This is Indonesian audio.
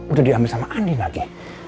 udah diambil sama andi nage